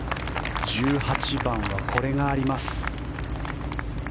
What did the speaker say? １８番はこれがあります。